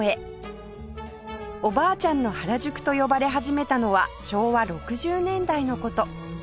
「おばあちゃんの原宿」と呼ばれ始めたのは昭和６０年代の事